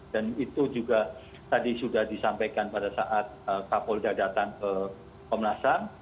dan itu juga tadi sudah disampaikan pada saat pak paul sudah datang ke komnas ham